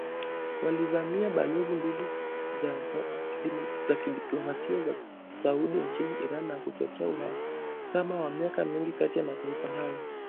Walivamia balozi mbili za kidiplomasia za Saudi nchini Iran, na kuchochea uhasama wa miaka mingi kati ya mataifa hayo.